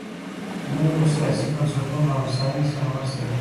نویو سیاسي بنسټونو له هوساینې سره مرسته وکړه.